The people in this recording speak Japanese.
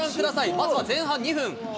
まずは前半２分。